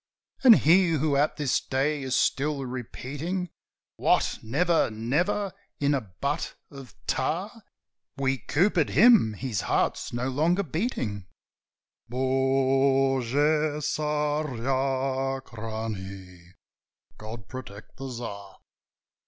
"And he who at this day is still repeating, 'What, never, never?'" "In a butt of tar We coopered him. His heart's no longer beating: Bogu Tsarachnie! God protect the Tsar!"